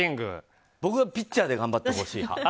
僕はピッチャーで頑張ってほしいな。